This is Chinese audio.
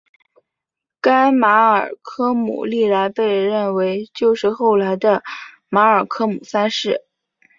该马尔科姆历来被认为就是后来的马尔科姆三世。